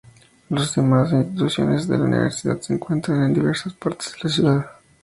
Las demás instituciones de la universidad se encuentran en diversas partes de la ciudad.